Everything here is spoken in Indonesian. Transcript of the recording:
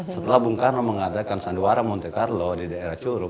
setelah bung karno mengadakan sandiwara monte carlo di daerah curup